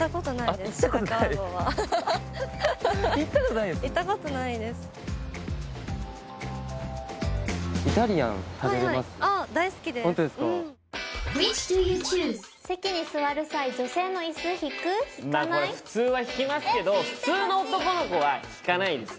まぁこれ普通は引きますけど普通の男の子は引かないです